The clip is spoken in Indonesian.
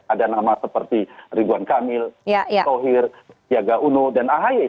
ada nama seperti ridwan kamil tohir tiaga uno dan ahy